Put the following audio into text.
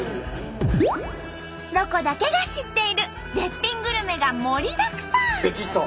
ロコだけが知っている絶品グルメが盛りだくさん！